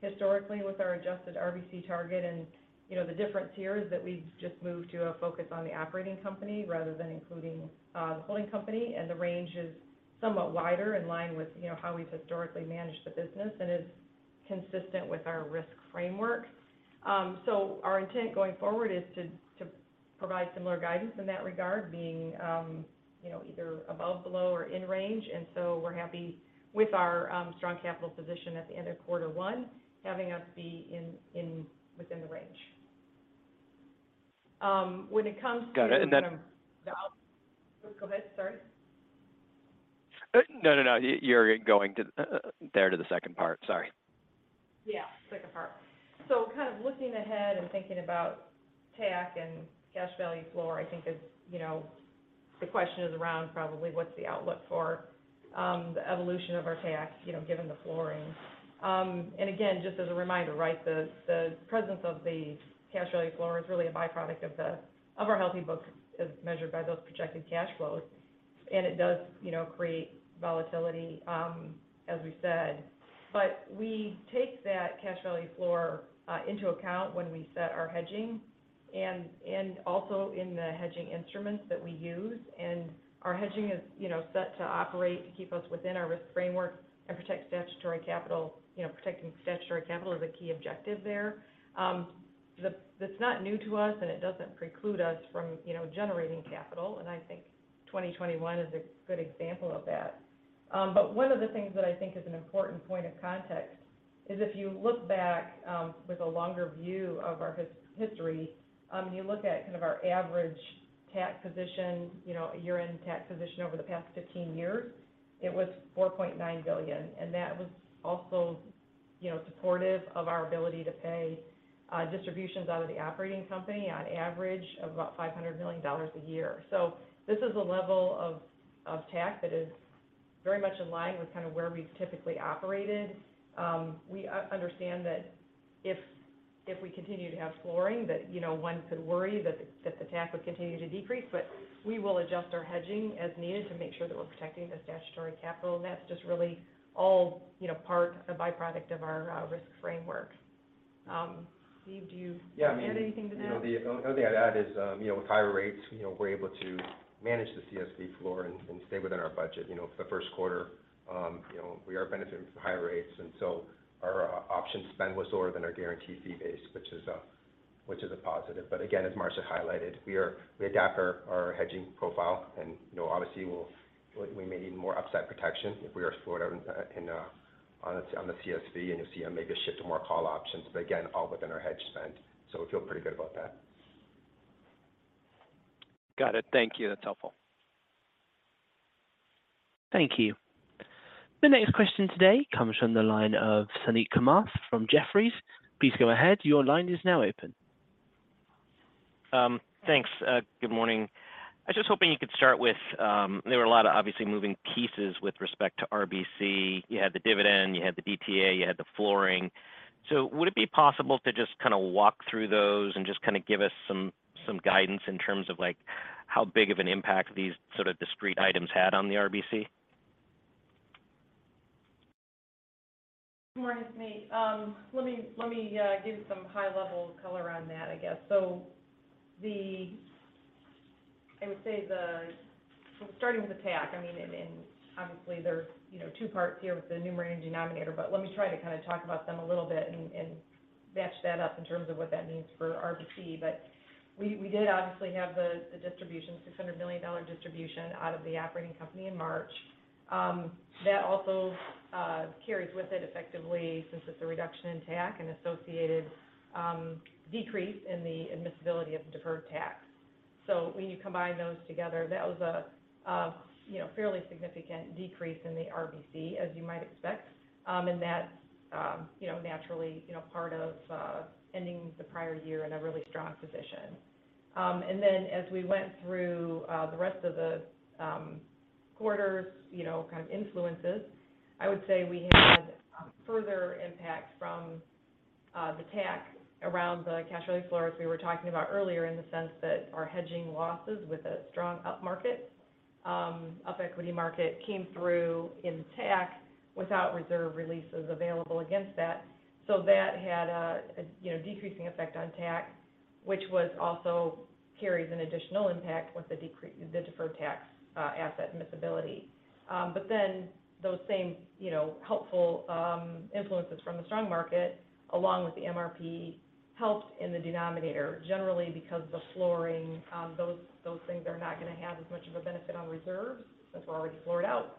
historically with our adjusted RBC target. You know, the difference here is that we've just moved to a focus on the operating company rather than including the holding company. The range is somewhat wider in line with, you know, how we've historically managed the business and is consistent with our risk framework. Our intent going forward is to provide similar guidance in that regard, being, you know, either above, below or in range. We're happy with our strong capital position at the end of quarter one, having us be in within the range. Got it. No, go ahead. Sorry. No, no. You're going to, there to the second part. Sorry. Yeah, second part. Kind of looking ahead and thinking about TAC and cash value floor, I think is, you know, the question is around probably what's the outlook for the evolution of our TAC, you know, given the flooring. Again, just as a reminder, right? The presence of the cash value floor is really a byproduct of our healthy books as measured by those projected cash flows. It does, you know, create volatility, as we said. We take that cash value floor into account when we set our hedging and also in the hedging instruments that we use. Our hedging is, you know, set to operate to keep us within our risk framework and protect statutory capital. You know, protecting statutory capital is a key objective there. That's not new to us and it doesn't preclude us from, you know, generating capital, and I think 2021 is a good example of that. One of the things that I think is an important point of context is if you look back with a longer view of our history, and you look at kind of our average TAC position, you know, year-end TAC position over the past 15 years, it was $4.9 billion. That was also, you know, supportive of our ability to pay distributions out of the operating company on average of about $500 million a year. This is a level of TAC that is very much in line with kind of where we've typically operated. We understand that if we continue to have flooring that, you know, one could worry that the TAC would continue to decrease, but we will adjust our hedging as needed to make sure that we're protecting the statutory capital. That's just really all, you know, a byproduct of our risk framework. Steve. Yeah, I mean. Do you have anything to add? You know, the only thing I'd add is, you know, with higher rates, you know, we're able to manage the CSV floor and stay within our budget. You know, the first quarter, you know, we are benefiting from higher rates, our options spend was lower than our guaranteed fee base, which is a positive. Again, as Marcia highlighted, we adapt our hedging profile and, you know, obviously we may need more upside protection if we are slower in on the CSV, and you'll see a maybe shift to more call options. Again, all within our hedge spend, we feel pretty good about that. Got it. Thank you. That's helpful. Thank you. The next question today comes from the line of Suneet Kamath from Jefferies. Please go ahead. Your line is now open. Thanks. Good morning. I was just hoping you could start with, there were a lot of obviously moving pieces with respect to RBC. You had the dividend, you had the DTA, you had the flooring. Would it be possible to just kind of walk through those and just kind of give us some guidance in terms of like how big of an impact these sort of discrete items had on the RBC? Good morning. It's me. Let me give some high level color on that, I guess. I would say the... Starting with the TAC, I mean, and obviously there's, you know, two parts here with the numerator and denominator, but let me try to kind of talk about them a little bit and batch that up in terms of what that means for RBC. We did obviously have the distribution, $600 million distribution out of the operating company in March. That also carries with it effectively since it's a reduction in TAC and associated decrease in the admissibility of deferred tax. When you combine those together, that was a, you know, fairly significant decrease in the RBC, as you might expect. That's, you know, naturally, you know, part of ending the prior year in a really strong position. As we went through the rest of the quarters, you know, kind of influences, I would say we had further impact from the TAC around the cash release floor as we were talking about earlier in the sense that our hedging losses with a strong up equity market came through in TAC without reserve releases available against that. That had a, you know, decreasing effect on TAC, which also carries an additional impact with the deferred tax asset admissibility. Those same, you know, helpful influences from the strong market, along with the MRP helped in the denominator, generally because the flooring, those things are not gonna have as much of a benefit on reserves since we're already floored out.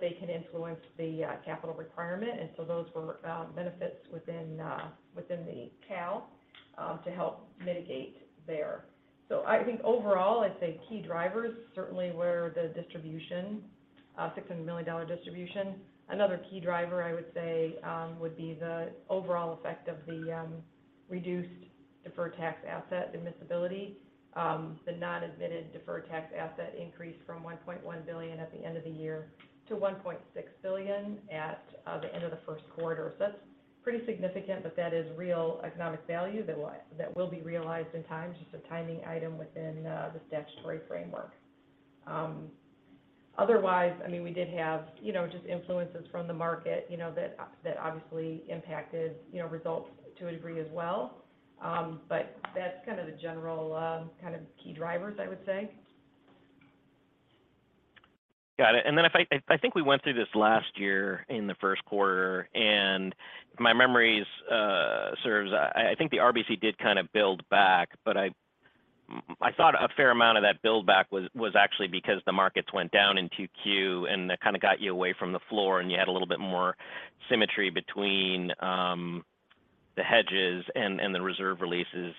They can influence the capital requirement. Those were benefits within the CAL to help mitigate there. I think overall, I'd say key drivers certainly were the distribution, a $600 million distribution. Another key driver I would say would be the overall effect of the reduced deferred tax asset admissibility. The non-admitted deferred tax asset increased from $1.1 billion at the end of the year to $1.6 billion at the end of the first quarter. That's pretty significant, but that is real economic value that will be realized in time, just a timing item within the statutory framework. Otherwise, I mean, we did have, you know, just influences from the market, you know, that obviously impacted, you know, results to a degree as well. That's kind of the general kind of key drivers, I would say. Got it. If I think we went through this last year in the first quarter, and if my memory serves, I think the RBC did kind of build back, but I thought a fair amount of that build back was actually because the markets went down in 2Q, and that kind of got you away from the floor, and you had a little bit more symmetry between the hedges and the reserve releases.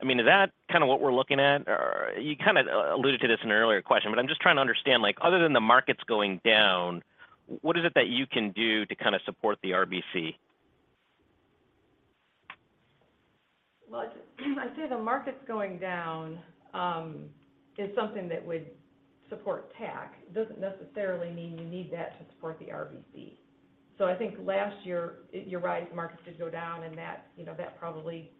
I mean, is that kind of what we're looking at? Or you kind of alluded to this in an earlier question, but I'm just trying to understand, like, other than the markets going down, what is it that you can do to kind of support the RBC? Well, just, I'd say the markets going down is something that would support TAC. It doesn't necessarily mean you need that to support the RBC. I think last year, you're right, the markets did go down, and that, you know, that probably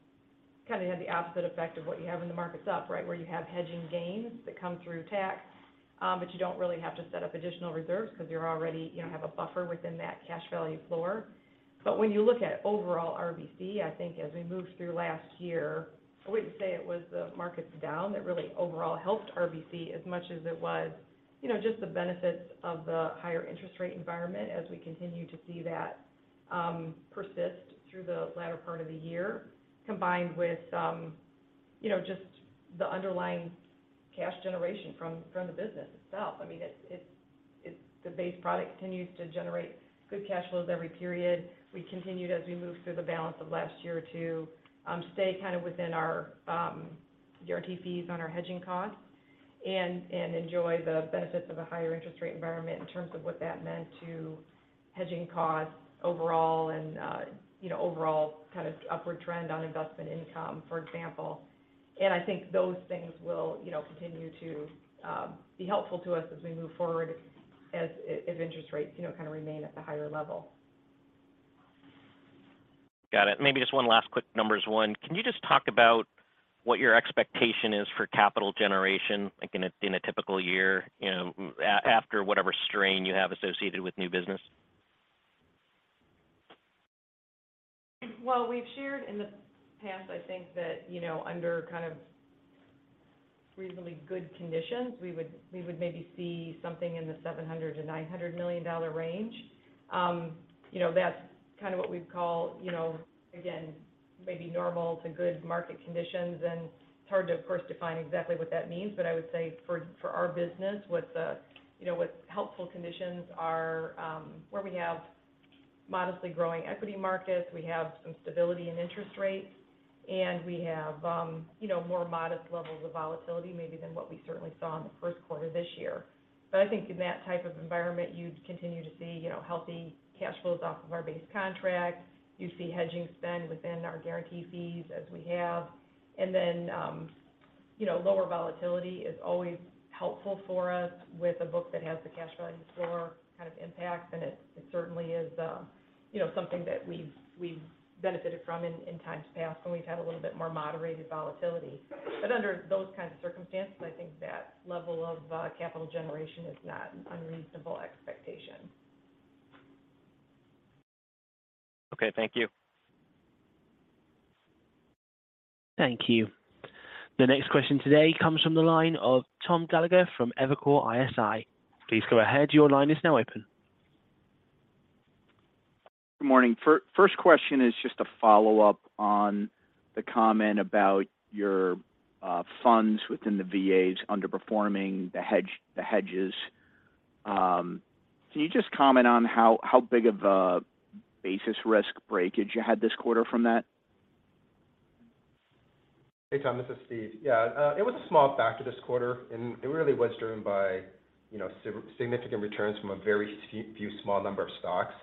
kind of had the opposite effect of what you have when the market's up, right, where you have hedging gains that come through TAC. You don't really have to set up additional reserves because you have a buffer within that cash value floor. When you look at overall RBC, I think as we moved through last year, I wouldn't say it was the markets down that really overall helped RBC as much as it was just the benefits of the higher interest rate environment as we continue to see that persist through the latter part of the year, combined with just the underlying cash generation from the business itself. It's the base product continues to generate good cash flows every period. We continued as we moved through the balance of last year to stay kind of within our guarantee fees on our hedging costs and enjoy the benefits of a higher interest rate environment in terms of what that meant to hedging costs overall and overall kind of upward trend on investment income, for example. I think those things will, you know, continue to be helpful to us as we move forward as interest rates, you know, kind of remain at the higher level. Got it. Maybe just one last quick numbers one. Can you just talk about what your expectation is for capital generation, like, in a, in a typical year, you know, after whatever strain you have associated with new business? Well, we've shared in the past, I think, that, you know, under kind of reasonably good conditions, we would maybe see something in the $700 million-$900 million range. You know, that's kind of what we'd call, you know, again, maybe normal to good market conditions. It's hard to, of course, define exactly what that means. I would say for our business, you know, what helpful conditions are, where we have modestly growing equity markets, we have some stability in interest rates, and we have, you know, more modest levels of volatility maybe than what we certainly saw in the first quarter this year. I think in that type of environment, you'd continue to see, you know, healthy cash flows off of our base contract. You see hedging spend within our guarantee fees as we have. Then, you know, lower volatility is always helpful for us with a book that has the cash value floor kind of impact. It certainly is, you know, something that we've benefited from in times past when we've had a little bit more moderated volatility. Under those kinds of circumstances, I think that level of capital generation is not an unreasonable expectation. Okay. Thank you. Thank you. The next question today comes from the line of Tom Gallagher from Evercore ISI. Please go ahead. Your line is now open. Good morning. First question is just a follow-up on the comment about your funds within the VAs underperforming the hedges. Can you just comment on how big of a basis risk breakage you had this quarter from that? Hey, Tom, this is Steve. Yeah, it was a small factor this quarter, and it really was driven by, you know, significant returns from a very few small number of stocks.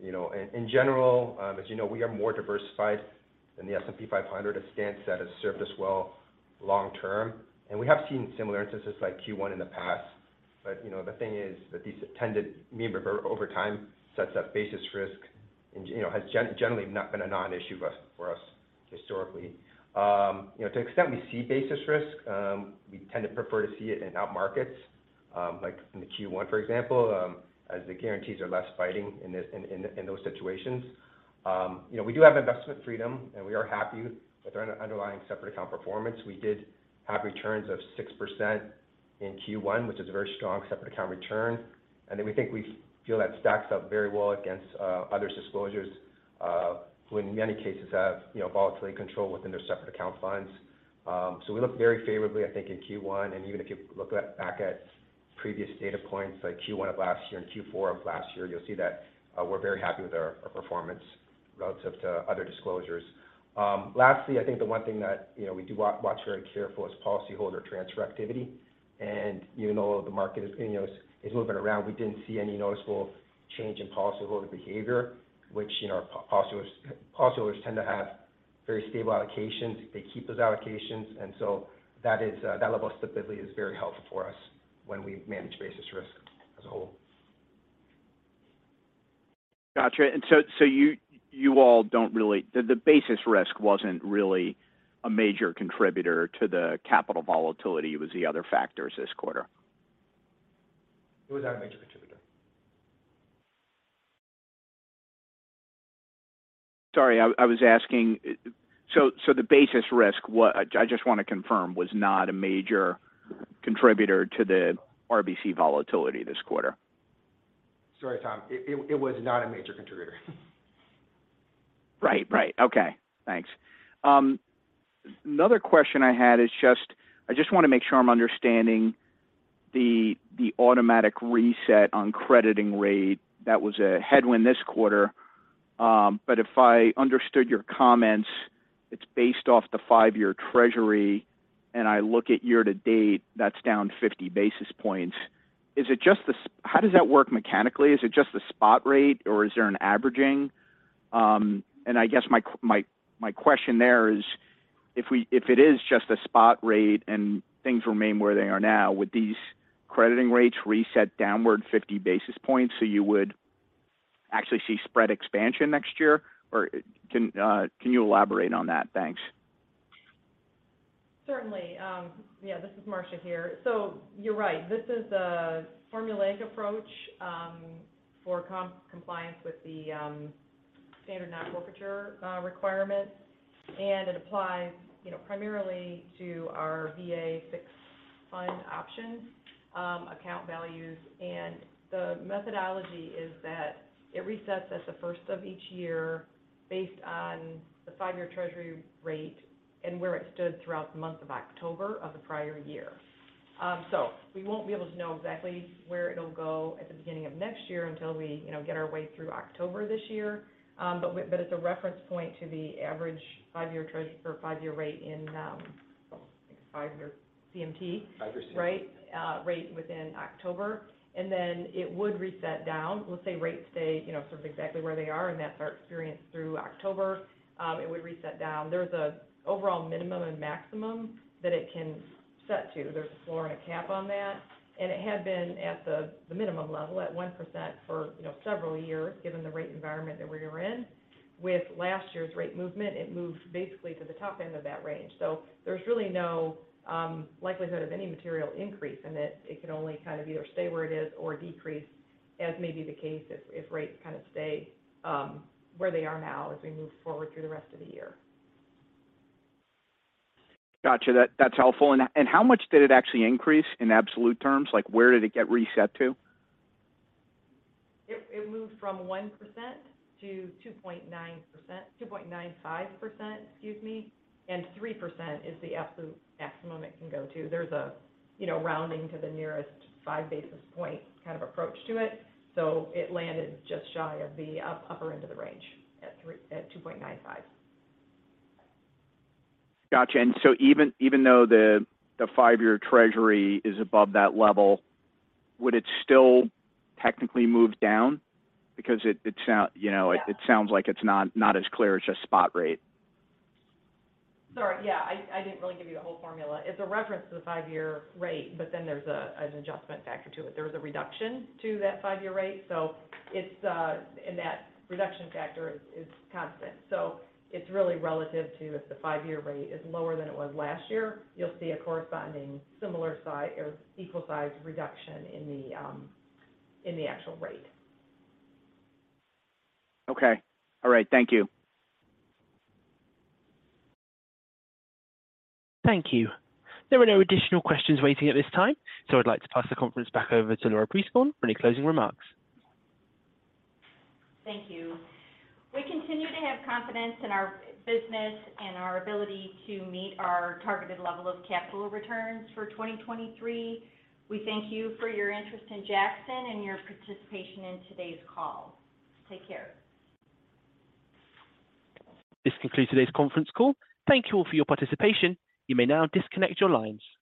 You know, in general, as you know, we are more diversified than the S&P 500. A stance that has served us well long term. We have seen similar instances like Q1 in the past. You know, the thing is that these tended mean revert over time sets up basis risk and, you know, has generally not been a non-issue for us historically. You know, to the extent we see basis risk, we tend to prefer to see it in up markets, like in the Q1, for example, as the guarantees are less biting in those situations. You know, we do have investment freedom, and we are happy with our underlying separate account performance. We did have returns of 6% in Q1, which is a very strong separate account return. Then we think we feel that stacks up very well against other disclosures, who in many cases have, you know, volatility control within their separate account funds. So we look very favorably, I think, in Q1. Even if you look at, back at previous data points, like Q1 of last year and Q4 of last year, you'll see that we're very happy with our performance relative to other disclosures. Lastly, I think the one thing that, you know, we do watch very careful is policyholder transfer activity. Even though the market is, you know, moving around, we didn't see any noticeable change in policyholder behavior, which, you know, policyholders tend to have very stable allocations. They keep those allocations and so that is that level of stability is very helpful for us when we manage basis risk as a whole. Got you. The basis risk wasn't really a major contributor to the capital volatility. It was the other factors this quarter. It was not a major contributor. Sorry, I was asking. The basis risk, I just want to confirm, was not a major contributor to the RBC volatility this quarter? Sorry, Tom. It was not a major contributor. Right. Right. Okay, thanks. Another question I had is I just wanna make sure I'm understanding the automatic reset on crediting rate that was a headwind this quarter. If I understood your comments, it's based off the five year treasury, and I look at year to date, that's down 50 basis points. How does that work mechanically? Is it just the spot rate or is there an averaging? I guess my question there is, if it is just a spot rate and things remain where they are now, would these crediting rates reset downward 50 basis points, so you would actually see spread expansion next year? Can you elaborate on that? Thanks. Certainly. This is Marcia here. You're right. This is a formulaic approach for compliance with the standard non-forfeiture requirements. It applies, you know, primarily to our VA fixed fund option account values. The methodology is that it resets at the first of each year based on the five-year treasury rate and where it stood throughout the month of October of the prior year. We won't be able to know exactly where it'll go at the beginning of next year until we, you know, get our way through October this year. But it's a reference point to the average five-year treasury or five-year rate in, I think five-year CMT. Five year CMT. Right. Rate within October. Then it would reset down. Let's say rates stay, you know, sort of exactly where they are, and that's our experience through October, it would reset down. There's a overall minimum and maximum that it can set to. There's a floor and a cap on that. It had been at the minimum level at 1% for, you know, several years, given the rate environment that we were in. With last year's rate movement, it moved basically to the top end of that range. There's really no likelihood of any material increase in it. It could only kind of either stay where it is or decrease, as may be the case if rates kind of stay where they are now as we move forward through the rest of the year. Gotcha. That's helpful. How much did it actually increase in absolute terms? Like, where did it get reset to? It moved from 1% to 2.9%, 2.95%, excuse me, and 3% is the absolute maximum it can go to. There's a, you know, rounding to the nearest 5 basis point kind of approach to it. It landed just shy of the upper end of the range at 2.95. Gotcha. Even though the five-year treasury is above that level, would it still technically move down? Because it sound, you know. Yeah. It sounds like it's not as clear. It's just spot rate. Sorry, yeah. I didn't really give you the whole formula. It's a reference to the five year rate, but then there's an adjustment factor to it. There was a reduction to that five year rate. That reduction factor is constant. It's really relative to if the five year rate is lower than it was last year, you'll see a corresponding similar size or equal size reduction in the actual rate. Okay. All right. Thank you. Thank you. There are no additional questions waiting at this time, so I'd like to pass the conference back over to Laura Prieskorn for any closing remarks. Thank you. We continue to have confidence in our business and our ability to meet our targeted level of capital returns for 2023. We thank you for your interest in Jackson and your participation in today's call. Take care. This concludes today's conference call. Thank you all for your participation. You may now disconnect your lines.